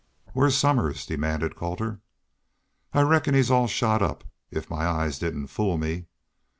"Where's Somers?" demanded Colter. "I reckon he's all shot up if my eyes didn't fool me."